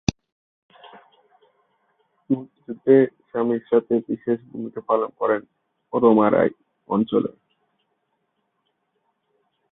মুক্তিযুদ্ধে স্বামীর সাথে বিশেষ ভূমিকা পালন করেন রৌমারী অঞ্চলে।